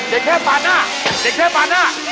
เด็กเทพปาดหน้า